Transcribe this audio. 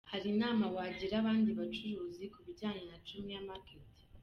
Q: Hari inama wagira abandi bacuruzi ku bijyanye na Jumia Market?.